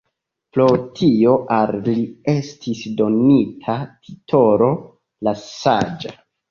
Pro tio al li estis donita titolo «la Saĝa».